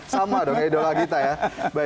sama dong kayak doa kita ya